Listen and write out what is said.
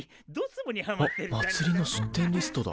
おっまつりの出店リストだ。